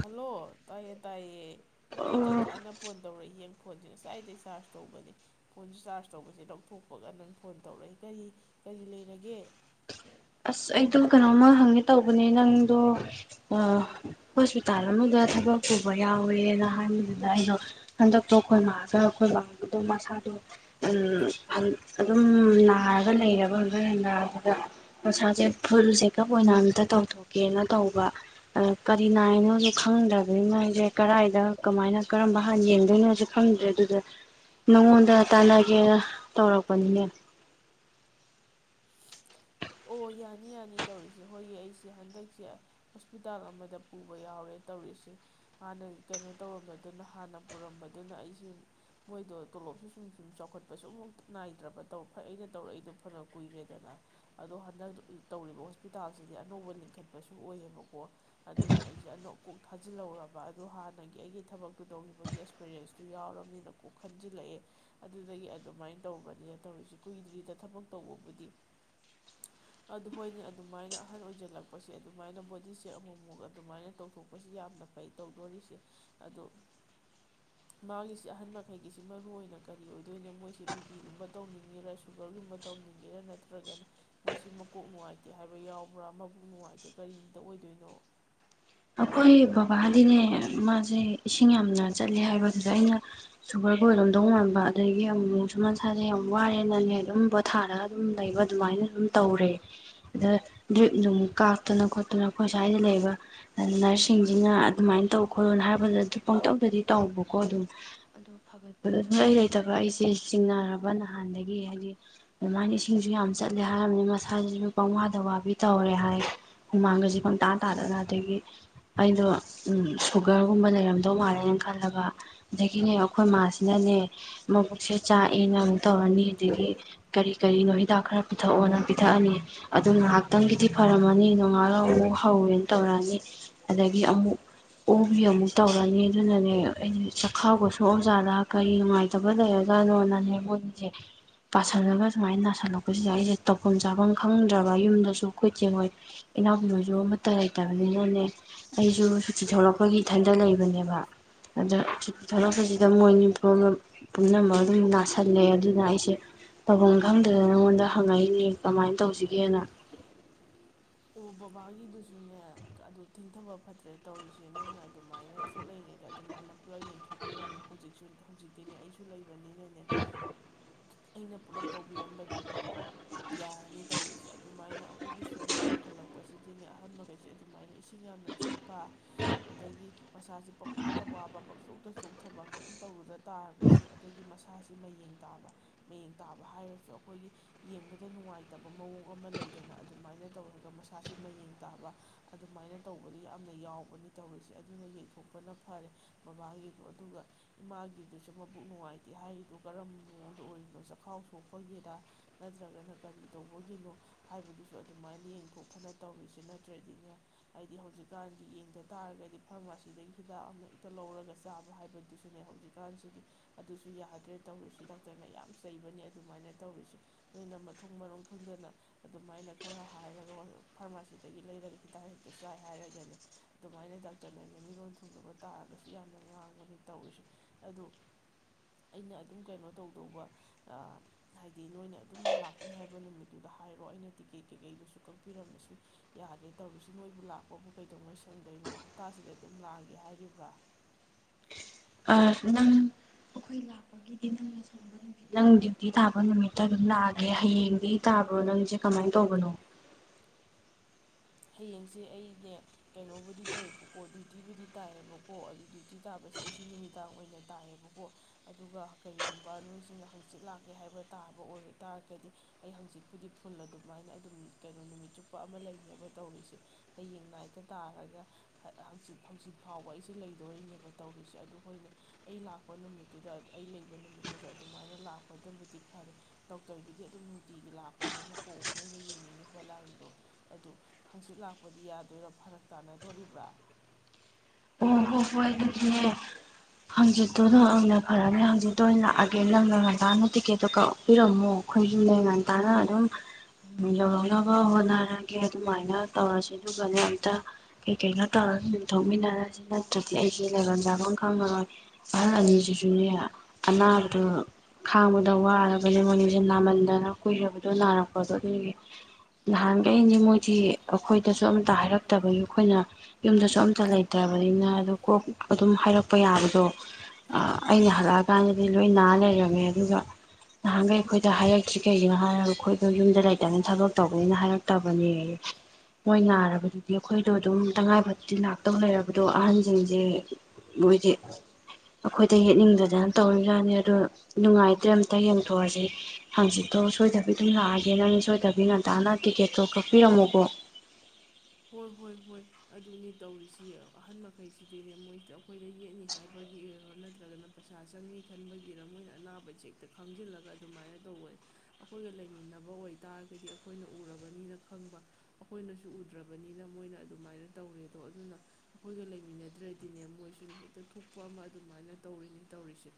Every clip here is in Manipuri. ꯍꯜꯂꯣ ꯇꯥꯏꯌꯦ ꯇꯥꯏꯌꯦ ꯅꯖꯨ ꯆꯞ ꯑꯣ ꯆꯥꯅ ꯐꯣꯟ ꯇꯧꯔꯛꯏ ꯌꯦ ꯐꯣꯟꯁꯦ ꯉꯁꯥꯏꯗꯩ ꯆꯥꯔꯖ ꯇꯧꯕꯅꯤ ꯐꯣꯟꯁꯦ ꯆꯥꯔꯖ ꯇꯧꯕꯁꯦ ꯂꯧꯊꯣꯛꯄꯒ ꯅꯪ ꯐꯣꯟ ꯇꯧꯔꯛꯏ ꯀꯔꯤ ꯀꯔꯤ ꯂꯩꯔꯒꯦ ꯑꯁ ꯑꯩꯗꯣ ꯀꯩꯅꯣꯝꯃ ꯍꯪꯉꯦ ꯇꯧꯕꯅꯦ ꯅꯪꯗꯣ ꯑꯥ ꯍꯣꯁꯄꯤꯇꯥꯜ ꯑꯃꯗ ꯊꯕꯛ ꯄꯨꯕ ꯌꯥꯎꯋꯦꯅ ꯍꯥꯏꯕꯗꯨꯗ ꯑꯩꯗꯣ ꯍꯟꯗꯛꯇꯣ ꯑꯩꯈꯣꯏ ꯃꯥꯒ ꯑꯩꯈꯣꯏ ꯕꯒꯗꯣ ꯃꯁꯥꯗꯣ ꯎꯝ ꯑꯗꯨꯝ ꯅꯥꯔꯒ ꯂꯩꯔꯕ ꯑꯗꯨꯗ ꯍꯟꯅ ꯅꯥꯕꯗ ꯃꯁꯥꯁꯦ ꯐꯨꯜ ꯆꯦꯛꯀꯞ ꯑꯣꯏꯅ ꯑꯝꯇ ꯇꯧꯊꯣꯛꯀꯦꯅ ꯇꯧꯕ ꯑ ꯀꯔꯤ ꯅꯥꯏꯅꯣꯁꯨ ꯈꯪꯗ꯭ꯔꯥꯕꯅꯤꯅ ꯑꯩꯁꯦ ꯀꯗꯥꯥꯏꯗ ꯀꯃꯥꯏꯅ ꯀꯔꯝꯕ ꯍꯥꯟꯅ ꯌꯦꯡꯗꯣꯏꯅꯣꯁꯨ ꯈꯪꯗ꯭ꯔꯦ ꯑꯗꯨꯗ ꯅꯉꯣꯟꯗ ꯇꯥꯟꯅꯒꯦꯅ ꯇꯧꯔꯛꯄꯅꯤꯅꯦ ꯑꯣ ꯌꯥꯅꯤ ꯌꯥꯅꯤ ꯇꯧꯔꯤꯁꯦ ꯍꯣꯏ ꯑꯩꯁꯦ ꯍꯟꯗꯛꯁꯦ ꯍꯣꯁꯄꯤꯇꯥꯜ ꯑꯃꯗ ꯄꯨꯕ ꯌꯥꯎꯔꯦ ꯇꯧꯔꯤꯁꯦ ꯍꯥꯟꯅ ꯀꯩꯅꯣ ꯇꯧꯔꯝꯕꯗꯨꯅ ꯍꯥꯟꯅ ꯄꯨꯔꯝꯕꯗꯨꯅ ꯑꯩꯁꯦ ꯃꯣꯏꯗꯣ ꯇꯣꯂꯣꯞꯁꯨ ꯁꯨꯝ ꯁꯨꯝ ꯆꯥꯎꯈꯠꯄꯁꯨ ꯑꯃꯨꯛ ꯅꯥꯏꯗ꯭ꯔꯕ ꯇꯧ ꯐꯩ ꯑꯩꯅ ꯇꯧꯔꯛꯏꯗꯣ ꯐꯅ ꯀꯨꯏꯔꯛꯑꯗꯅ ꯑꯗꯣ ꯍꯟꯗꯛ ꯇꯧꯔꯤꯕ ꯍꯣꯁꯄꯤꯇꯥꯜꯁꯤꯗꯤ ꯑꯅꯧꯕ ꯂꯤꯡꯈꯠꯄꯁꯨ ꯑꯣꯏꯌꯦꯕꯀꯣ ꯑꯗꯨꯅ ꯑꯩꯁꯦ ꯑꯅꯣ ꯀꯣꯛ ꯊꯥꯖꯤꯜꯍꯧꯔꯕ ꯑꯗꯣ ꯍꯥꯟꯅꯒꯤ ꯑꯩꯒꯤ ꯊꯕꯛꯇꯨ ꯇꯧꯈꯤꯕꯒꯤ ꯑꯦꯛꯁꯄꯔꯤꯦꯟꯁꯇꯨ ꯌꯥꯎꯔꯕꯅꯤꯅ ꯀꯣꯛ ꯈꯟꯖꯤꯜꯂꯛꯑꯦ ꯑꯗꯨꯗꯒꯤ ꯑꯗꯨꯃꯥꯏꯅ ꯇꯧꯕꯅꯤꯅ ꯇꯧꯔꯤꯁꯤ ꯀꯨꯏꯗ꯭ꯔꯤꯗ ꯊꯕꯛ ꯇꯧꯕꯕꯨꯗꯤ ꯑꯗꯨ ꯍꯣꯏꯅꯦ ꯑꯗꯨꯃꯥꯏꯅ ꯑꯍꯟ ꯑꯣꯏꯁꯤꯜꯂꯛꯄꯁꯦ ꯑꯗꯨꯃꯥꯏꯅ ꯕꯣꯗꯤ ꯆꯦꯛ ꯑꯃꯨꯛꯃꯨꯛ ꯑꯗꯨꯃꯥꯏꯅ ꯇꯧꯊꯣꯛꯄꯁꯤ ꯌꯥꯝꯅ ꯐꯩ ꯇꯧꯗꯣꯔꯤꯁꯦ ꯑꯗꯣ ꯃꯥꯒꯤꯁꯤ ꯑꯍꯟ ꯃꯈꯩꯒꯤꯁꯤ ꯃꯔꯨꯏ ꯑꯣꯏꯅ ꯀꯔꯤ ꯑꯣꯏꯗꯣꯏꯅꯣ ꯃꯣꯏꯁꯦ ꯕꯤ ꯄꯤꯒꯨꯝꯕ ꯇꯧꯅꯤꯡꯉꯤꯔꯥ ꯁꯨꯒꯔꯒꯨꯝꯕ ꯇꯧꯅꯤꯡꯉꯤꯔꯥ ꯅꯠꯇ꯭ꯔꯒꯅ ꯃꯣꯏꯁꯤ ꯃꯀꯣꯛ ꯅꯨꯡꯉꯥꯏꯇꯦ ꯍꯥꯏꯕ ꯌꯥꯎꯕ꯭ꯔꯥ ꯃꯕꯨꯛ ꯅꯨꯡꯉꯥꯏꯇꯦ ꯀꯔꯤꯗ ꯑꯣꯏꯗꯣꯏꯅꯣ ꯑꯩꯈꯣꯏ ꯕꯕꯥꯗꯤꯅꯦ ꯃꯥꯁꯦ ꯏꯁꯤꯡ ꯌꯥꯝꯅ ꯆꯠꯂꯦ ꯍꯥꯏꯕꯗꯨꯗ ꯑꯩꯅ ꯁꯨꯒꯔꯒ ꯑꯣꯏꯔꯝꯗꯣꯢ ꯃꯥꯟꯕ ꯑꯗꯒꯤ ꯑꯃꯨꯛꯁꯨꯨ ꯃꯁꯥꯁꯦ ꯌꯥꯝ ꯋꯥꯔꯦꯅꯅꯦ ꯑꯗꯨꯝ ꯄꯣꯊꯥꯔꯒ ꯑꯗꯨꯝ ꯂꯩꯕ ꯑꯗꯨꯃꯥꯏꯅ ꯑꯗꯨꯝ ꯇꯧꯔꯦ ꯑꯗ ꯗ꯭ꯔꯤꯞ ꯅꯨꯡ ꯀꯥꯞꯇꯅ ꯈꯣꯠꯇꯅ ꯑꯩꯈꯣꯏ ꯁ꯭ꯋꯥꯏꯗ ꯂꯩꯕ ꯑꯗꯨ ꯅꯔꯁꯁꯤꯡꯁꯤꯅ ꯑꯗꯨꯃꯥꯏꯅ ꯇꯧ ꯈꯣꯠꯂꯣꯅ ꯍꯥꯏꯔꯛꯕꯗ ꯑꯗꯨ ꯄꯪꯇꯧꯗꯗꯤ ꯇꯧꯕꯀꯣ ꯑꯗꯨꯝ ꯑꯗꯨ ꯐꯒꯠꯄꯗꯣ ꯁꯨꯛꯂꯩ ꯂꯩꯇꯕ ꯑꯩꯁꯦ ꯆꯤꯡꯅꯔꯕ ꯅꯍꯥꯟꯗꯒꯤ ꯍꯥꯏꯗꯤ ꯑꯗꯨꯃꯥꯏꯅ ꯏꯁꯤꯡꯁꯨ ꯌꯥꯝ ꯆꯠꯂꯦ ꯍꯥꯏꯔꯕꯅꯤꯅ ꯃꯁꯥꯁꯤꯁꯨ ꯄꯪꯋꯥꯗ ꯋꯥꯕꯤ ꯇꯧꯔꯦ ꯍꯥꯏ ꯍꯨꯃꯥꯡꯒꯁꯦ ꯄꯪꯇꯥ ꯇꯥꯗꯅ ꯑꯗꯒꯤ ꯑꯩꯗꯣ ꯎꯝ ꯁꯨꯒꯔꯒꯨꯝꯕ ꯂꯩꯔꯝꯗꯧ ꯃꯥꯜꯂꯦꯅ ꯈꯜꯂꯕ ꯑꯗꯒꯤꯅꯦ ꯑꯩꯈꯣꯏ ꯃꯥꯁꯤꯅꯅꯦ ꯃꯕꯨꯛꯁꯦ ꯆꯥꯛꯑꯦꯅ ꯑꯃꯨꯛ ꯇꯧꯔꯅꯤ ꯑꯗꯒꯤ ꯀꯔꯤ ꯀꯔꯤꯅꯣ ꯍꯤꯗꯥꯛ ꯈꯔ ꯄꯤꯊꯛꯑꯣꯅ ꯄꯤꯊꯛꯑꯅꯤ ꯑꯗꯨ ꯉꯥꯏꯍꯥꯛꯇꯪꯒꯤꯗꯤ ꯐꯔꯝꯃꯅꯤ ꯅꯣꯡꯉꯥꯜꯂꯒ ꯑꯃꯨꯛ ꯍꯧꯋꯦꯅ ꯇꯧꯔꯛꯑꯅꯤ ꯑꯗꯒꯤ ꯑꯃꯨꯛ ꯑꯣꯕꯤ ꯑꯃꯨꯛ ꯇꯧꯔꯅꯤ ꯑꯗꯨꯅꯅꯦ ꯑꯩꯗꯤ ꯆꯥꯛꯈꯥꯎꯒ ꯁꯣꯛꯑꯖꯥꯠꯂ ꯀꯔꯤ ꯅꯨꯡꯉꯥꯏꯇꯕ ꯂꯩꯔꯒꯥꯠꯅꯣꯅꯅꯦ ꯃꯣꯏꯁꯦ ꯄꯥꯁꯜꯂꯒ ꯁꯨꯃꯥꯏꯅ ꯅꯥꯁꯤꯜꯂꯛꯄꯁꯤꯗ ꯑꯩꯁꯦ ꯇꯧꯐꯝ ꯆꯥꯐꯝ ꯈꯪꯗ꯭ꯔꯕ ꯌꯨꯝꯗꯁꯨ ꯑꯩꯈꯣꯏ ꯆꯦꯉꯣꯏ ꯏꯅꯥꯎꯄꯤ ꯍꯣꯏꯁꯨ ꯑꯃꯠꯇ ꯂꯩꯇꯕꯅꯤ ꯑꯗꯨꯅꯅꯦ ꯑꯩꯁꯨ ꯁꯨꯇꯤ ꯊꯣꯛꯂꯛꯄꯒꯤ ꯏꯊꯟꯇ ꯂꯩꯕꯅꯦꯕ ꯑꯗ ꯁꯨꯇꯤ ꯊꯣꯛꯂꯛꯄꯁꯤꯗ ꯃꯣꯏꯅꯤꯄꯨꯔꯝ ꯄꯨꯝꯅꯃꯛ ꯑꯗꯨꯝ ꯅꯥꯁꯜꯂꯦ ꯑꯗꯨꯅ ꯑꯩꯁꯦ ꯇꯧꯐꯝ ꯈꯪꯗꯗꯅ ꯅꯉꯣꯟꯗ ꯍꯪꯉꯛꯏꯅꯦ ꯀꯃꯥꯏꯅ ꯇꯧꯁꯤꯒꯦꯅ ꯑꯣ ꯕꯕꯥꯒꯤꯗꯨꯁꯨꯅꯦ ꯑꯗꯨ ꯊꯦꯡꯊꯕ ꯐꯠꯇ꯭ꯔꯦ ꯇꯧꯔꯤꯁꯦ ꯅꯪꯅ ꯑꯗꯨꯃꯥꯏꯅ ꯊꯣꯛꯂꯛꯏꯉꯩꯗ ꯑꯗꯨꯃꯥꯏꯅ ꯄꯨꯂꯞ ꯌꯦꯡꯊꯣꯛꯄꯤꯔꯝꯃꯣ ꯍꯧꯖꯤꯛꯁꯨ ꯍꯧꯖꯤꯛꯇꯤꯅꯦ ꯑꯩꯁꯨ ꯂꯩ ꯅꯤꯅꯅꯦ ꯈꯤꯠ ꯑꯩꯅ ꯄꯨꯂꯞ ꯇꯧꯕꯤꯔꯝꯕꯗꯨ ꯌꯥꯔꯅꯤ ꯇꯧꯔꯤꯁꯦ ꯑꯗꯨꯃꯥꯏꯅ ꯑꯩꯈꯣꯏꯒꯤ ꯁꯨꯒꯔ ꯋꯥꯡ ꯍꯧꯖꯤꯛꯇꯤꯅꯦ ꯑꯍꯟ ꯃꯈꯩꯁꯦ ꯑꯗꯨꯃꯥꯏꯅ ꯏꯁꯤꯡ ꯏꯁꯤꯡ ꯌꯥꯝꯅ ꯆꯠꯄ ꯑꯗꯒꯤ ꯃꯁꯁꯦ ꯄꯪꯋꯥꯗ ꯋꯥꯕ ꯄꯪꯆꯣꯛꯇ ꯆꯣꯛꯊꯕ ꯀꯩꯝ ꯇꯧꯔꯨꯗ ꯇꯥꯔꯒꯁꯨ ꯑꯗꯒꯤ ꯃꯁꯥꯁꯤ ꯃꯌꯦꯡ ꯇꯥꯕ ꯃꯌꯦꯡ ꯇꯥꯕ ꯍꯥꯏꯔꯁꯨ ꯑꯩꯈꯣꯏꯒꯤ ꯌꯦꯡꯕꯗ ꯅꯨꯡꯉꯥꯏꯇꯕ ꯃꯑꯣꯡ ꯑꯃ ꯂꯩꯗꯅ ꯑꯗꯨꯃꯥꯏꯅ ꯇꯧꯔ ꯑꯗꯨꯒ ꯃꯁꯥꯁꯤ ꯃꯌꯦꯡ ꯇꯥꯕ ꯑꯗꯨꯃꯥꯏꯅ ꯇꯧꯕꯗꯨ ꯌꯥꯝꯅ ꯌꯥꯎꯕꯅꯤ ꯇꯧꯔꯤꯁꯦ ꯑꯗꯨꯅ ꯌꯦꯡꯊꯣꯛꯄꯅ ꯐꯔꯦ ꯕꯕꯥꯒꯤꯗꯣ ꯑꯗꯨꯒ ꯏꯃꯥꯒꯤꯗꯨꯁꯨ ꯃꯕꯨꯛ ꯅꯨꯡꯉꯥꯏꯇꯦ ꯍꯥꯏꯔꯤꯗꯨ ꯀꯔꯝꯕ ꯃꯑꯣꯡꯗ ꯑꯣꯏꯔꯤꯅꯣ ꯆꯈꯥꯎ ꯁꯣꯛꯄꯒꯦꯔ ꯅꯠꯇ꯭ꯔꯒꯅ ꯀꯔꯤ ꯇꯧꯕꯒꯤꯅꯣ ꯍꯥꯏꯕꯗꯨꯁꯨ ꯑꯗꯨꯃꯥꯏꯅ ꯌꯦꯡꯊꯣꯛ ꯕꯨꯛ ꯐꯅ ꯇꯧꯔꯤꯁꯤ ꯅꯠꯇ꯭ꯔꯗꯤꯅꯦ ꯍꯥꯏꯗꯤ ꯍꯧꯖꯤꯛꯀꯥꯟꯗꯤ ꯌꯦꯡꯗ ꯇꯥꯔꯒꯗꯤ ꯐꯥꯔꯃꯥꯁꯤꯗꯒꯤ ꯍꯤꯗꯥꯛ ꯑꯃ ꯍꯦꯛꯇ ꯂꯧꯔꯒ ꯆꯥꯕ ꯍꯥꯏꯕꯗꯨꯁꯨꯅꯦ ꯍꯧꯖꯤꯛꯀꯥꯟꯁꯤꯗꯤ ꯑꯗꯨꯁꯨ ꯌꯥꯗ꯭ꯔꯦ ꯇꯧꯔꯤꯁꯤ ꯗꯥꯛꯇꯔꯅ ꯌꯥꯝ ꯆꯩꯕꯅꯦ ꯑꯗꯨꯃꯥꯏꯅ ꯇꯧꯔꯤꯁꯤ ꯅꯣꯏꯅ ꯃꯊꯣꯡ ꯃꯔꯣꯡ ꯈꯪꯗꯅ ꯑꯗꯨꯃꯥꯏꯅ ꯈꯔ ꯍꯥꯏꯔꯒ ꯋꯥ ꯐꯥꯔꯃꯥꯁꯤꯗꯒꯤ ꯂꯩꯔꯒ ꯍꯤꯗꯥꯛ ꯍꯦꯛꯇ ꯆꯥꯏ ꯍꯥꯏꯔꯒꯅꯦ ꯑꯗꯨꯃꯥꯏꯅ ꯗꯥꯛꯇꯔꯅꯅꯦ ꯃꯤꯔꯣꯟ ꯊꯨꯡꯗꯕ ꯇꯥꯔꯒꯁꯨ ꯌꯥꯝꯅ ꯉꯥꯡꯕꯅꯤ ꯇꯧꯔꯤꯁꯦ ꯑꯗꯣ ꯑꯩꯅ ꯑꯗꯨꯝ ꯀꯩꯅꯣ ꯇꯧꯗꯧꯕ ꯍꯥꯏꯗꯤ ꯅꯣꯏꯅ ꯑꯗꯨꯝ ꯂꯥꯛꯅꯤ ꯍꯥꯏꯕ ꯅꯨꯃꯤꯠꯇꯨꯗ ꯍꯥꯏꯔꯣ ꯑꯩꯅ ꯇꯤꯛꯀꯦꯠ ꯀꯩꯀꯩꯗꯨꯁꯨ ꯀꯛ ꯄꯤꯔꯝꯕꯁꯨ ꯌꯥꯗꯦ ꯇꯧꯔꯤꯁꯤ ꯅꯣꯏꯕꯨ ꯂꯥꯛꯄꯕꯨ ꯀꯩꯗꯧꯉꯩ ꯁꯪꯗꯣꯏꯅꯣ ꯍꯞꯇꯥꯁꯤꯗ ꯑꯗꯨꯝ ꯂꯥꯛꯑꯒꯦ ꯍꯥꯏꯔꯤꯕ꯭ꯔꯥ ꯑ ꯅꯪ ꯑꯩꯈꯣꯏ ꯂꯥꯛꯄꯒꯤꯗꯤ ꯅꯪꯅ ꯁꯪꯕ ꯅꯪ ꯗ꯭ꯌꯨꯇꯤ ꯇꯥꯕ ꯅꯨꯃꯤꯠꯇ ꯑꯗꯨꯝ ꯂꯥꯛꯑꯒꯦ ꯍꯌꯦꯡꯗꯤ ꯇꯥꯕ꯭ꯔꯣ ꯅꯪꯁꯦ ꯀꯃꯥꯏꯅ ꯇꯧꯕꯅꯣ ꯍꯌꯦꯡꯁꯦ ꯑꯩꯅꯦ ꯀꯩꯅꯣꯕꯨꯗꯤ ꯇꯧꯋꯦꯕꯀꯣ ꯗ꯭ꯌꯨꯇꯤꯕꯨꯗꯤ ꯇꯥꯏꯌꯦꯕꯀꯣ ꯑꯗꯨ ꯗ꯭ꯌꯨꯇꯤ ꯇꯥꯕꯁꯦ ꯑꯩꯁꯦ ꯅꯨꯃꯤꯗꯥꯡ ꯑꯣꯏꯅ ꯇꯥꯏꯌꯦꯕꯀꯣ ꯑꯗꯨꯒ ꯀꯔꯤꯒꯨꯝꯕ ꯅꯣꯏꯁꯤꯅ ꯍꯪꯆꯤꯠ ꯂꯥꯛꯀꯦ ꯍꯥꯏꯕ ꯇꯥꯕ ꯑꯣꯏ ꯇꯥꯔꯒꯗꯤ ꯑꯩ ꯍꯪꯆꯤꯠꯄꯨꯗꯤ ꯐꯨꯜ ꯑꯗꯨꯃꯥꯏꯅ ꯑꯗꯨꯝ ꯀꯩꯅꯣ ꯅꯨꯃꯤꯠ ꯆꯨꯞꯄ ꯑꯃ ꯂꯩꯅꯦꯕ ꯇꯧꯔꯤꯁꯦ ꯍꯌꯦꯡ ꯅꯥꯏꯠꯇꯥ ꯇꯥꯔꯒ ꯍꯪꯆꯤꯠ ꯍꯪꯆꯤꯠ ꯐꯥꯎꯕ ꯑꯩꯁꯦ ꯂꯩꯗꯣꯔꯤꯅꯦꯕ ꯇꯧꯔꯤꯁꯦ ꯑꯗꯨ ꯍꯣꯏꯅꯦ ꯑꯩ ꯂꯥꯛꯄ ꯅꯨꯃꯤꯠꯇꯨꯗ ꯑꯩ ꯂꯩꯕ ꯅꯨꯃꯤꯠꯇꯨꯗ ꯑꯗꯨꯃꯥꯏꯅ ꯂꯥꯛꯄꯗꯕꯨꯗꯤ ꯐꯔꯦ ꯗꯣꯛꯇꯔꯒꯤꯗꯤ ꯑꯗꯨꯝ ꯅꯨꯡꯇꯤꯒꯤ ꯂꯥꯛꯄꯅꯦꯕꯀꯣ ꯅꯣꯏꯅ ꯌꯦꯡꯅꯤꯡꯉꯤꯕ ꯂꯥꯏꯟꯗꯣ ꯑꯗꯨ ꯍꯪꯆꯤꯠ ꯂꯥꯛꯄꯗꯤ ꯌꯥꯗꯣꯏꯔꯥ ꯐꯔꯛ ꯇꯥꯅꯗꯣꯔꯤꯕ꯭ꯔꯥ ꯑꯣ ꯍꯣꯢ ꯍꯣꯏ ꯑꯗꯨꯗꯤꯅꯦ ꯍꯪꯆꯤꯠꯇꯨꯗ ꯑꯣꯢꯅ ꯐꯔꯅ ꯍꯪꯆꯤꯠꯇꯨ ꯑꯣꯏꯅ ꯂꯥꯛꯑꯒꯦ ꯅꯪ ꯅ ꯉꯟꯇꯥꯥꯅ ꯇꯤꯛꯀꯦꯠꯇꯣ ꯀꯛꯄꯤꯔꯝꯃꯣ ꯑꯩꯈꯣꯏꯁꯨꯅꯦ ꯉꯟꯇꯥꯅ ꯑꯗꯨꯝ ꯌꯧꯔꯛꯅꯕ ꯍꯣꯠꯅꯔꯒꯦ ꯑꯗꯨꯃꯥꯏꯅ ꯇꯧꯔꯁꯦ ꯑꯗꯨꯒꯅꯦ ꯑꯝꯇ ꯀꯩꯀꯩꯅꯣ ꯇꯧꯔꯁꯨ ꯑꯗꯨꯝ ꯊꯣꯛꯃꯤꯟꯅꯔꯁꯦ ꯑꯗꯨ ꯅꯠꯇ꯭ꯔꯗꯤ ꯑꯩꯁꯦ ꯂꯩꯕꯝ ꯆꯥꯐꯝ ꯈꯪꯉꯥꯔꯣꯏ ꯑꯍꯜ ꯑꯅꯤꯁꯤꯁꯨꯅꯦ ꯑꯅꯥꯕꯗꯨ ꯈꯥꯡꯕꯗ ꯋꯥꯔꯕꯅꯦ ꯃꯣꯏꯅꯤꯁꯦ ꯅꯥꯝꯃꯟꯗꯅ ꯀꯨꯏꯔꯕꯗꯣ ꯅꯥꯔꯛꯄꯗꯣ ꯑꯗꯨꯒꯤ ꯅꯍꯥꯟꯈꯩꯅꯦ ꯃꯣꯏꯗꯤ ꯑꯩꯈꯣꯏꯗꯁꯨ ꯑꯝꯇ ꯍꯥꯏꯔꯛꯇꯕꯩ ꯑꯩꯈꯣꯏꯅ ꯌꯨꯝꯗꯁꯨ ꯑꯝꯇ ꯂꯩ ꯐꯠꯇ꯭ꯔꯕꯅꯤꯅ ꯑꯗꯣ ꯀꯣꯛ ꯑꯗꯨꯝ ꯍꯥꯏꯔꯛꯄ ꯌꯥꯕꯗꯣ ꯑꯩꯅ ꯍꯜꯂꯛꯑꯀꯥꯟꯗꯗꯤ ꯂꯣꯏ ꯅꯥꯔ ꯂꯩꯔꯝꯃꯦ ꯑꯗꯨꯒ ꯅꯍꯥꯟꯈꯩ ꯑꯩꯈꯣꯏꯗ ꯍꯥꯏꯔꯛꯇ꯭ꯔꯤ ꯀꯩꯒꯤꯅꯣ ꯍꯥꯏꯔꯒ ꯑꯩꯈꯣꯏꯗꯣ ꯌꯨꯝꯗ ꯂꯩꯇꯕꯅꯤꯅ ꯊꯥꯕꯛꯇꯧꯕꯅꯤꯅ ꯍꯥꯏꯔꯛꯇꯕꯅꯦ ꯃꯣꯏ ꯅꯥꯔꯕꯗꯨꯗꯤ ꯑꯩꯈꯣꯏꯗꯣ ꯑꯗꯨꯝ ꯇꯉꯥꯏ ꯐꯗ꯭ꯔꯥꯗꯤ ꯂꯥꯛꯇꯧ ꯂꯩꯔ ꯑꯗꯣ ꯑꯍꯟꯁꯤꯡꯁꯦ ꯃꯣꯏꯗꯤ ꯑꯩꯈꯣꯏꯗ ꯌꯦꯠꯅꯤꯡꯗꯗꯥꯅ ꯇꯧꯔꯤ ꯖꯥꯠꯅꯤ ꯑꯗꯨꯗꯣ ꯅꯨꯡꯉꯥꯏꯇ꯭ꯔꯦ ꯑꯝꯇ ꯌꯦꯡꯊꯣꯛꯑꯁꯤ ꯍꯪꯆꯤꯠꯇꯣ ꯁꯣꯏꯗꯕꯤ ꯑꯗꯨꯝ ꯂꯥꯛꯑꯒꯦ ꯅꯪ ꯁꯣꯏꯗꯕꯤ ꯉꯟꯇꯥꯅ ꯇꯤꯛꯀꯦꯠꯇꯣ ꯀꯛꯄꯤꯔꯝꯃꯣꯀꯣ ꯍꯣꯏ ꯍꯣꯏ ꯍꯣꯏ ꯑꯗꯨꯅꯤ ꯇꯧꯔꯤꯁꯤ ꯑꯍꯟ ꯃꯈꯩꯁꯤꯗꯤꯅꯦ ꯃꯣꯏꯗꯤ ꯑꯩꯈꯣꯏꯗ ꯌꯦꯠꯅꯤ ꯍꯥꯏꯕꯒꯤꯔ ꯅꯠꯇ꯭ꯔꯒꯅ ꯄꯩꯁꯥ ꯆꯪꯅꯤ ꯈꯟꯕꯒꯤꯔ ꯃꯣꯏꯅ ꯑꯅꯥꯕꯖꯦ ꯌꯦꯛꯇ ꯈꯥꯢꯖꯤꯜꯂꯒ ꯑꯗꯨꯃꯥꯏꯅ ꯇꯧꯕꯅꯤ ꯑꯩꯈꯣꯏꯒ ꯂꯩꯃꯤꯟꯅꯕ ꯑꯣꯏꯇꯥꯔꯒꯗꯤ ꯑꯩꯈꯣꯏꯅ ꯎꯔꯕꯅꯤꯅ ꯈꯪꯕ ꯑꯩꯈꯣꯏꯅꯁꯨ ꯎꯗ ꯐꯠꯇ꯭ꯔꯕꯅꯤꯅ ꯃꯣꯏꯅ ꯑꯗꯨꯃꯥꯏꯅ ꯇꯧꯔꯦꯗꯣ ꯑꯗꯨꯅ ꯑꯩꯈꯣꯏꯒ ꯂꯩꯃꯤꯟꯅꯗ꯭ꯔꯗꯤꯅꯦ ꯃꯣꯏꯁꯨꯅꯦ ꯍꯦꯛꯇ ꯊꯣꯛꯄ ꯑꯃ ꯑꯗꯨꯃꯥꯏꯅ ꯇꯧꯔꯤꯅꯤ ꯇꯧꯔꯤꯁꯦ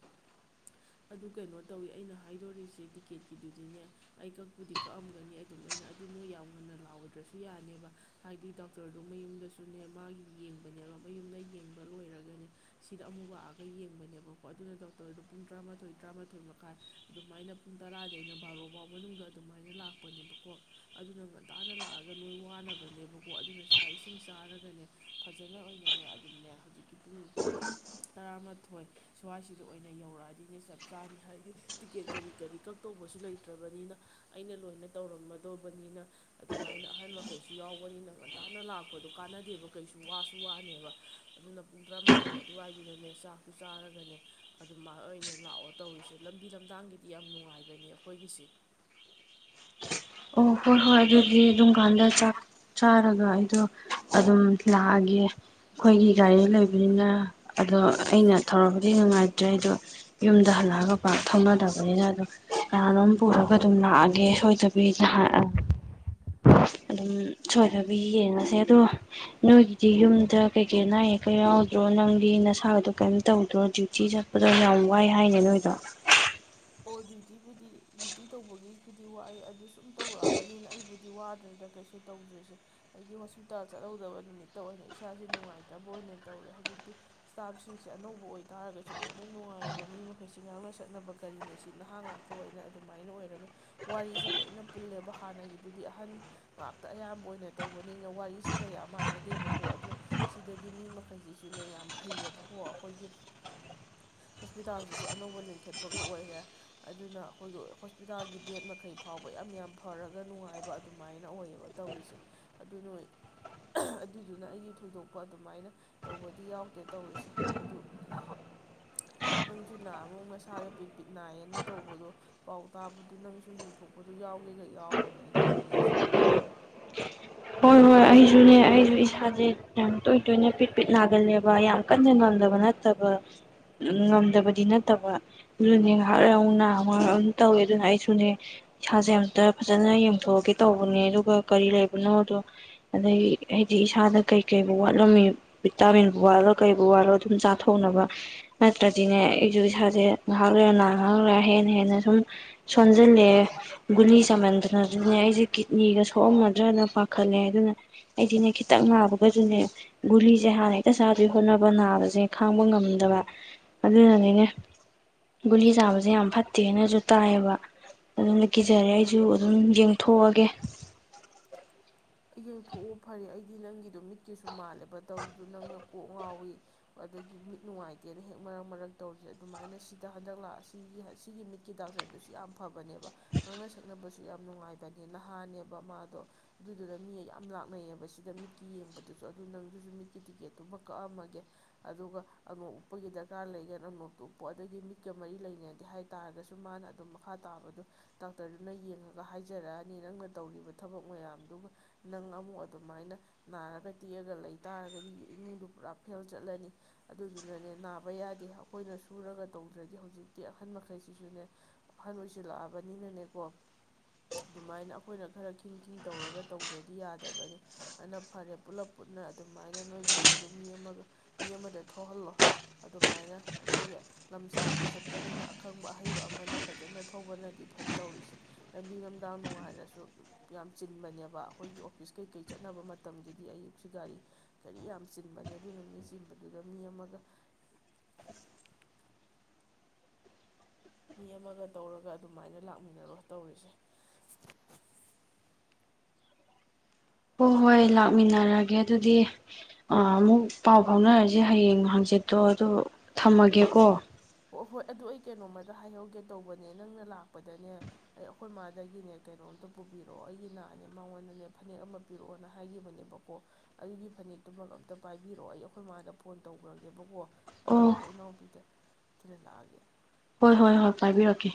ꯑꯗꯨ ꯀꯩꯅꯣ ꯇꯧꯋꯤ ꯑꯩꯅ ꯍꯥꯏꯗꯣꯔꯤꯁꯦ ꯇꯤꯛꯀꯦꯠꯀꯤꯗꯨꯗꯤꯅꯦ ꯑꯩ ꯀꯛꯄꯨꯗꯤ ꯀꯛꯑꯝꯒꯅꯤ ꯑꯗꯨꯝ ꯑꯩꯅ ꯑꯗꯨ ꯅꯣꯢ ꯌꯥꯝ ꯉꯟꯅ ꯂꯥꯎꯗ꯭ꯔꯁꯨ ꯌꯥꯅꯦꯕ ꯍꯥꯏꯗꯤ ꯗꯣꯛꯇꯔꯗꯣ ꯃꯌꯨꯝꯗꯁꯨꯅꯦ ꯃꯥꯒꯤ ꯌꯦꯡꯕꯅꯦꯕ ꯃꯌꯨꯝꯗ ꯌꯦꯡꯕ ꯂꯣꯏꯔꯒꯅꯦ ꯁꯤꯗ ꯑꯃꯨꯛ ꯂꯥꯛꯑꯒ ꯌꯦꯡꯕꯅꯦꯕꯀꯣ ꯑꯗꯨꯅ ꯗꯣꯛꯇꯔꯗꯨ ꯄꯨꯡ ꯇꯔꯥꯃꯥꯊꯣꯏ ꯇꯔꯥꯃꯥꯊꯣꯏ ꯃꯈꯥꯏ ꯑꯗꯨꯃꯥꯏꯅ ꯄꯨꯡ ꯇꯔꯥꯗꯩꯅ ꯕꯥꯔꯣꯐꯥꯎ ꯃꯅꯨꯡꯗ ꯑꯗꯨꯃꯥꯏꯅ ꯂꯥꯛꯄꯅꯦꯕꯀꯣ ꯑꯗꯨꯅ ꯉꯟꯇꯥꯅ ꯂꯥꯛꯑꯒ ꯅꯣꯏ ꯋꯥꯅꯕ ꯅꯦꯕꯀꯣ ꯑꯗꯨꯅ ꯆꯥꯛ ꯏꯁꯤꯡ ꯆꯥꯔꯒꯅꯦ ꯐꯖꯅ ꯑꯣꯏꯅꯅꯦ ꯑꯗꯨꯝꯅꯦ ꯍꯧꯖꯤꯛꯀꯤ ꯄꯨꯡ ꯇꯔꯥꯃꯥꯊꯣꯏ ꯁ꯭ꯋꯥꯏꯁꯤꯗ ꯑꯣꯏꯅ ꯌꯧꯔꯛꯑꯗꯤꯅꯦ ꯆꯞ ꯆꯥꯅꯤ ꯍꯥꯏꯗꯤ ꯇꯤꯀꯦꯠ ꯀꯔꯤ ꯀꯔꯤ ꯀꯛꯛꯇꯧꯕꯁꯨ ꯂꯩꯇ꯭ꯔꯕꯅꯤꯅ ꯑꯩꯅ ꯂꯣꯏꯅ ꯇꯧꯔꯝꯃꯗꯧꯕꯅꯤꯅ ꯑꯗꯨꯃꯥꯏꯅ ꯑꯍꯟ ꯃꯈꯩꯁꯨ ꯁꯨ ꯌꯥꯎꯕꯅꯤꯅ ꯉꯟꯇꯥꯅ ꯂꯥꯛꯄꯗꯣ ꯀꯥꯟꯅꯗꯦꯕ ꯀꯩꯁꯨ ꯋꯥꯁꯨ ꯋꯥꯅꯦꯕ ꯑꯗꯨꯅ ꯄꯨꯡ ꯇꯔꯥꯃꯥꯊꯣꯏ ꯑꯗꯨꯋꯥꯏꯗꯨꯗꯅꯦ ꯆꯥꯛꯁꯨ ꯆꯥꯔꯒꯅꯦ ꯑꯗꯨꯃꯥꯏ ꯑꯣꯏꯅ ꯂꯥꯛꯑꯣ ꯇꯧꯔꯤꯁꯦ ꯂꯝꯕꯤ ꯂꯝꯗꯥꯡꯒꯤꯗꯤ ꯌꯥꯝ ꯅꯨꯡꯉꯥꯏꯕꯅꯦ ꯑꯩꯈꯣꯏꯒꯤꯁꯦ ꯑꯣ ꯍꯣꯏ ꯍꯣꯏ ꯑꯗꯨꯗꯤ ꯑꯗꯨꯝꯀꯥꯟꯗꯥ ꯆꯥꯛ ꯆꯥꯔꯒ ꯑꯩꯗꯣ ꯑꯗꯨꯝ ꯂꯥꯛꯑꯒꯦ ꯑꯩꯈꯣꯏꯒꯤ ꯒꯥꯔꯤ ꯂꯩꯕꯅꯤꯅ ꯑꯗꯣ ꯑꯩꯅ ꯊꯧꯔꯕꯗꯤ ꯅꯨꯡꯉꯥꯏꯇ꯭ꯔꯦ ꯑꯩꯗꯣ ꯌꯨꯝꯗ ꯍꯜꯂꯛꯑꯒ ꯄꯥꯛ ꯊꯧꯅꯗꯔꯕꯅꯤꯅ ꯑꯗꯣ ꯀꯅꯥꯅꯣꯝ ꯄꯨꯔꯒ ꯑꯗꯨꯝ ꯂꯥꯛꯑꯒꯦ ꯁꯣꯏꯗ ꯑꯗꯨꯝ ꯁꯣꯏꯗꯕꯤ ꯌꯦꯡꯉꯥꯁꯦ ꯑꯗꯣ ꯅꯣꯏꯒꯤꯗꯤ ꯌꯨꯝꯗ ꯀꯩꯀꯩ ꯑꯅꯥ ꯑꯌꯦꯛꯀ ꯌꯥꯎꯗ꯭ꯔꯣ ꯅꯪꯗꯤ ꯅꯁꯥꯒꯗꯣ ꯀꯔꯤꯝ ꯇꯧꯗ꯭ꯔꯣ ꯗ꯭ꯌꯨꯇꯤ ꯆꯠꯄꯗꯣ ꯌꯥꯝ ꯋꯥꯏ ꯍꯥꯏꯅꯦ ꯅꯣꯏꯗꯣ ꯑꯣ ꯗ꯭ꯌꯨꯇꯤꯕꯨꯗꯤ ꯗ꯭ꯌꯨꯇꯤ ꯇꯧꯕꯒꯤꯕꯨꯗꯤ ꯋꯥꯌꯦ ꯑꯗꯨ ꯁꯨꯝ ꯇꯧꯔꯛꯑꯕꯅꯤꯅ ꯑꯩꯕꯨꯗꯤ ꯋꯥꯗ꯭ꯔꯦꯗ ꯀꯩꯁꯨ ꯇꯧꯗ꯭ꯔꯤꯁꯦ ꯑꯩꯗꯤ ꯍꯣꯁꯄꯤꯇꯥꯜ ꯆꯠꯍꯧꯗꯕ ꯅꯨꯃꯤꯠꯇ ꯑꯣꯏꯅ ꯏꯁꯥꯁꯦ ꯅꯨꯡꯉꯥꯏꯇꯕ ꯑꯣꯏꯅ ꯇꯧꯔꯦ ꯍꯧꯖꯤꯛꯇꯤ ꯁꯇꯥꯐꯁꯤꯡꯁꯦ ꯑꯅꯧꯕ ꯑꯣꯏꯇꯥꯥꯔꯒꯁꯨ ꯂꯣꯏꯅ ꯅꯨꯡꯉꯥꯏꯌꯦꯕ ꯃꯤ ꯃꯈꯩꯁꯦ ꯉꯥꯡꯅ ꯁꯛꯅꯕꯒ ꯀꯔꯤꯃꯩꯁꯤꯠ ꯅꯍꯪꯉꯛꯇ꯭ꯔꯣꯅ ꯑꯣꯏꯅ ꯑꯗꯨꯃꯥꯏꯅ ꯑꯣꯏꯔꯒ ꯋꯥꯔꯤꯁꯤ ꯂꯣꯏꯅ ꯄꯨꯜꯂꯦꯕ ꯍꯥꯟꯅꯒꯤꯗꯨꯗꯤ ꯑꯍꯟ ꯉꯥꯛꯇ ꯑꯌꯥꯝꯕ ꯑꯣꯏꯅ ꯇꯧꯕꯅꯤꯅ ꯋꯥꯔꯤꯁꯤ ꯀꯌꯥ ꯃꯥꯟꯅꯗꯦꯕꯀꯣ ꯑꯗꯨꯅ ꯁꯤꯗꯗꯤ ꯃꯤ ꯃꯈꯩꯁꯤꯁꯨꯅꯦ ꯌꯥꯝ ꯐꯩꯌꯦꯕꯀꯣ ꯑꯩꯈꯣꯏꯒꯤ ꯍꯣꯁꯄꯤꯇꯥꯜꯁꯤꯁꯨ ꯑꯅꯧꯕ ꯂꯤꯡꯈꯠ ꯈꯣꯠꯄꯒ ꯑꯣꯏꯔꯦ ꯑꯗꯨꯅ ꯑꯩꯈꯣꯏꯒꯤ ꯍꯣꯁꯄꯤꯇꯥꯜꯒꯤ ꯕꯦꯠ ꯃꯈꯩ ꯐꯥꯎꯕ ꯌꯥꯝ ꯌꯥꯝ ꯐꯔꯒ ꯅꯨꯡꯉꯥꯏꯕ ꯑꯗꯨꯃꯥꯏꯅ ꯑꯣꯏꯌꯦꯕ ꯇꯧꯔꯤꯁꯦ ꯑꯗꯨꯅ ꯅꯣꯢ ꯑꯗꯨꯏꯗꯨꯅ ꯑꯩꯗꯤ ꯊꯣꯏꯗꯣꯛꯄ ꯑꯗꯨꯃꯥꯏꯅ ꯇꯧꯕꯗꯤ ꯌꯥꯎꯗꯦꯗ ꯇꯧꯔꯤꯁꯦ ꯑꯗꯨ ꯅꯪꯁꯨ ꯅꯍꯟꯃꯨꯛ ꯅꯁꯛ ꯏꯁꯥꯗꯣ ꯄꯤꯠ ꯄꯤꯠ ꯅꯥꯏꯌꯦꯅ ꯇꯧꯕꯗꯣ ꯄꯥꯎ ꯇꯥꯕꯗꯨ ꯅꯪꯁꯨ ꯌꯦꯡꯊꯣꯛꯄꯗꯨ ꯌꯥꯎꯒꯦꯒ ꯌꯥꯎꯔꯣꯅꯦ ꯌꯦꯡꯉꯤꯉꯩꯁꯤꯗ ꯍꯣꯏ ꯍꯣꯏ ꯑꯩꯁꯨꯅꯦ ꯑꯩꯁꯨ ꯏꯁꯥꯁꯦ ꯌꯥꯝ ꯇꯣꯏ ꯇꯣꯏꯅ ꯄꯤꯠ ꯄꯤꯠ ꯅꯥꯒꯜꯂꯦꯕ ꯌꯥꯝ ꯀꯟꯅ ꯉꯝꯗꯕ ꯅꯠꯇꯕ ꯉꯝꯗꯕꯗꯤ ꯅꯠꯇꯕ ꯑꯗꯨꯅꯦ ꯉꯥꯏꯍꯥꯛ ꯂꯩꯔꯑꯃꯨꯛ ꯅꯥ ꯉꯥꯢꯍꯥꯛ ꯑꯗꯨꯝ ꯊꯧꯋꯦ ꯑꯗꯨꯅ ꯑꯩꯁꯨꯅꯦ ꯏꯁꯥꯁꯦ ꯑꯝꯇ ꯐꯖꯅ ꯌꯦꯡꯊꯣꯛꯑꯒꯦ ꯇꯧꯕꯅꯦ ꯑꯗꯨꯒ ꯀꯔꯤ ꯂꯩꯕ ꯅꯣꯗꯣ ꯑꯗꯒꯤ ꯑꯩꯗꯤ ꯏꯁꯥꯗ ꯀꯩꯀꯩꯕꯨ ꯋꯥꯠꯂꯝꯃꯤ ꯚꯤꯇꯥꯃꯤꯟꯕꯨ ꯋꯥꯠꯂꯣ ꯀꯩꯕꯨ ꯋꯥꯠꯂꯣ ꯑꯗꯨꯝ ꯆꯥꯊꯣꯛꯅꯕ ꯅꯠꯇ꯭ꯔꯗꯤꯅꯦ ꯑꯩꯁꯨ ꯏꯁꯥꯁꯦ ꯉꯥꯏꯍꯥꯛ ꯂꯩꯔꯥ ꯅꯔꯛ ꯉꯥꯏꯍꯥꯛ ꯂꯩꯔ ꯍꯦꯟꯅ ꯍꯦꯟꯅ ꯁꯨꯝ ꯁꯣꯟꯖꯜꯂꯛꯑꯦ ꯒꯨꯂꯤ ꯆꯥꯃꯟꯗꯅ ꯑꯗꯨꯅꯦ ꯑꯩꯁꯦ ꯀꯤꯗꯅꯤꯒ ꯁꯣꯛꯑꯝꯃꯗ꯭ꯔꯥꯅ ꯄꯥꯈꯠꯂꯦ ꯑꯗꯨꯅ ꯑꯩꯗꯤꯅꯦ ꯈꯤꯇꯪ ꯅꯥꯕꯒꯁꯨꯅꯦ ꯒꯨꯂꯤꯁꯦ ꯍꯥꯟꯅ ꯍꯦꯛꯇ ꯆꯥꯗꯣꯏ ꯍꯣꯠꯅꯕ ꯅꯥꯕꯁꯦ ꯈꯥꯡꯕ ꯉꯝꯗꯕ ꯑꯗꯨꯅꯅꯤꯅꯦ ꯒꯨꯂꯤ ꯆꯕꯁꯦ ꯌꯥꯝ ꯐꯠꯇꯦꯅꯁꯨ ꯇꯥꯏꯌꯦꯕ ꯑꯗꯨꯅ ꯀꯤꯖꯔꯦ ꯑꯩꯁꯨ ꯑꯗꯨꯝ ꯌꯦꯡꯊꯣꯛꯑꯒꯦ [unintelligible] ꯌꯦꯡꯊꯣꯛꯎ ꯐꯔꯦ ꯑꯩꯗꯤ ꯅꯪꯒꯤꯗꯨ ꯃꯤꯠꯀꯤꯁꯨ ꯃꯥꯜꯂꯦ ꯕꯇꯧꯔꯤꯗꯨ ꯅꯪꯅ ꯀꯣꯛ ꯉꯥꯎꯏꯤ ꯑꯗꯒꯤ ꯃꯤꯠ ꯅꯨꯡꯉꯥꯏꯇꯦꯅ ꯍꯦꯛ ꯃꯔꯛ ꯃꯔꯛ ꯇꯧꯔꯤꯁꯦ ꯑꯗꯨꯃꯥꯏꯅ ꯁꯤꯗ ꯍꯟꯗꯛ ꯂꯥꯛ ꯁꯤꯒꯤ ꯁꯤꯒꯤ ꯃꯤꯠꯀꯤ ꯗꯥꯛꯇꯔꯗꯨꯁꯨ ꯌꯥꯝ ꯐꯕꯅꯦꯕ ꯉꯥꯡꯅ ꯁꯛꯅꯕꯁꯨ ꯌꯥꯝ ꯅꯨꯡꯉꯥꯏꯕꯅꯦ ꯅꯍꯥꯅꯦꯕ ꯃꯥꯗꯣ ꯑꯗꯨꯗꯨꯅ ꯃꯤ ꯌꯥꯝ ꯂꯥꯛꯅꯩꯌꯦꯕ ꯁꯤꯗ ꯃꯤꯠꯀꯤ ꯌꯦꯡꯕꯗꯨꯁꯨ ꯑꯗꯨ ꯅꯪꯗꯨꯁꯨ ꯃꯤꯠꯀꯤ ꯇꯤꯀꯦꯠꯇꯨꯃ ꯀꯛꯑꯝꯃꯒꯦ ꯑꯗꯨꯒ ꯑꯅꯣꯞ ꯎꯞꯄꯒꯤ ꯗꯔꯀꯥꯔ ꯂꯩꯒꯅ ꯑꯅꯣꯞꯇꯣ ꯎꯞꯄꯣ ꯑꯗꯒꯤ ꯃꯤꯠꯀ ꯃꯔꯤ ꯂꯩꯅꯗꯦ ꯍꯥꯏ ꯇꯥꯔꯒꯁꯨ ꯃꯥꯅ ꯑꯗꯨꯝ ꯃꯈꯥ ꯇꯥꯕꯗꯨ ꯗꯥꯛꯇꯔꯗꯨꯅ ꯌꯦꯡꯉꯒ ꯍꯥꯏꯖꯔꯛꯑꯅꯤ ꯅꯪꯅ ꯇꯧꯔꯤꯕ ꯊꯕꯛ ꯃꯌꯥꯝ ꯗꯨꯒ ꯅꯪ ꯑꯃꯨꯛ ꯑꯗꯨꯃꯥꯏꯅ ꯅꯥꯔꯒ ꯇꯦꯛꯑꯒ ꯂꯩꯇꯥꯥꯔꯒꯗꯤ ꯏꯃꯨꯡꯗꯨ ꯄꯨꯔꯥ ꯐꯦꯜ ꯆꯠꯂꯅꯤ ꯑꯗꯨꯗꯨꯅꯅꯦ ꯅꯥꯕ ꯌꯥꯗꯦ ꯑꯩꯈꯣꯏꯅ ꯁꯨꯔꯒ ꯇꯧꯗ꯭ꯔꯗꯤ ꯍꯧꯖꯤꯛꯇꯤ ꯑꯍꯟ ꯃꯈꯩꯁꯤꯁꯨꯅꯦ ꯑꯍꯟ ꯑꯣꯏꯁꯤꯜꯂꯛꯑꯕꯅꯤꯅꯅꯦꯀꯣ ꯑꯗꯨꯃꯥꯏꯅ ꯑꯩꯈꯣꯏꯅ ꯈꯔ ꯈꯤꯡ ꯈꯤꯡ ꯇꯧꯔꯒ ꯇꯧꯗ꯭ꯔꯗꯤ ꯌꯥꯗꯕꯅꯦ ꯑꯗꯨꯅ ꯐꯔꯦ ꯄꯨꯂꯞ ꯄꯨꯟꯅ ꯑꯗꯨꯃꯥꯏꯅ ꯅꯣꯏ ꯒꯥꯔꯤꯗꯣ ꯃꯤ ꯑꯃꯒ ꯃꯤ ꯑꯃꯗ ꯊꯣꯛꯍꯜꯂꯣ ꯑꯗꯨꯃꯥꯏꯅ ꯑꯗꯨꯒ ꯂꯝ ꯁꯥꯡꯅ ꯆꯠꯄꯅꯤꯅ ꯑꯈꯪꯕ ꯑꯍꯩꯕ ꯑꯃꯅ ꯐꯖꯅ ꯊꯧꯕꯅꯗꯤ ꯐꯩ ꯇꯧꯔꯤꯁꯦ ꯂꯝꯕꯤ ꯂꯝꯗꯥꯡ ꯅꯨꯡꯉꯥꯏꯔꯁꯨ ꯌꯥꯝ ꯆꯤꯟꯕꯅꯦ ꯕ ꯑꯩꯈꯣꯏꯒꯤ ꯑꯣꯐꯤꯁ ꯀꯩꯀꯩ ꯆꯠꯅꯕ ꯃꯇꯝꯒꯤꯗꯤ ꯑꯌꯨꯛꯁꯤ ꯒꯥꯔꯤ ꯒꯔꯤ ꯌꯥꯝ ꯆꯤꯟꯕꯅꯤ ꯑꯗꯨꯅ ꯃꯤ ꯆꯤꯟꯕꯗꯨꯗ ꯃꯤ ꯑꯃꯒ ꯃꯤ ꯑꯃꯒ ꯇꯧꯔꯒ ꯑꯗꯨꯃꯥꯏꯅ ꯂꯥꯛꯃꯤꯟꯅꯔꯣ ꯇꯧꯔꯤꯁꯦ ꯍꯣꯏ ꯍꯣꯏ ꯂꯥꯛꯃꯤꯟꯅꯔꯒꯦ ꯑꯗꯨꯗꯤ ꯑ ꯑꯃꯨꯛ ꯄꯥꯎ ꯐꯥꯎꯅꯔꯁꯦ ꯍꯌꯦꯡ ꯍꯪꯆꯤꯠꯇꯣ ꯑꯗꯨ ꯊꯝꯃꯒꯦꯀꯣ ꯍꯣꯏ ꯍꯣꯏ ꯑꯗꯨ ꯑꯩ ꯀꯩꯅꯣꯝꯃꯗ ꯍꯥꯏꯍꯧꯒꯦ ꯇꯧꯕꯅꯦ ꯅꯪꯅ ꯂꯥꯛꯄꯗꯅꯦ ꯑꯩ ꯑꯩꯈꯣꯏ ꯃꯥꯗꯒꯤꯅꯦ ꯀꯩꯅꯣꯝꯇ ꯄꯨꯕꯤꯔꯛꯑꯣ ꯑꯩꯒꯤ ꯅꯥꯅꯦ ꯃꯉꯣꯟꯗꯅꯦ ꯐꯅꯦꯛ ꯑꯃ ꯄꯤꯔꯛꯑꯣꯅ ꯍꯥꯏꯒꯤꯕꯅꯦꯕꯀꯣ ꯑꯗꯨꯒꯤ ꯐꯅꯦꯛꯇꯨꯃꯛ ꯑꯝꯇ ꯄꯥꯏꯕꯤꯔꯛꯑꯣ ꯑꯩ ꯑꯩꯈꯣꯏ ꯃꯥꯗ ꯐꯣꯟ ꯇꯧꯈ꯭ꯔꯒꯦꯕꯀꯣ ꯑꯗꯨꯒ ꯑꯣ ꯑꯩꯈꯣꯏ ꯏꯅꯥꯎꯄꯤꯗ ꯊꯤꯂꯟ ꯂꯥꯛꯑꯒꯦ ꯍꯣꯏ ꯍꯣꯏ ꯍꯣꯏ ꯄꯥꯏꯕꯤꯔꯛꯀꯦ